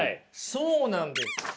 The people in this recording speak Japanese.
そうなんです。